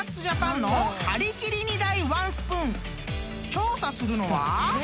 ［調査するのは］